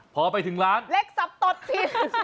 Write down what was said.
พอไปถึงร้านเล็กสับตดสิ